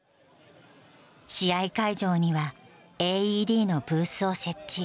試合会場には、ＡＥＤのブースを設置。